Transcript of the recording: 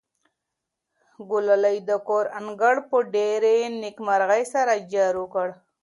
ګلالۍ د کور انګړ په ډېرې نېکمرغۍ سره جارو کړ.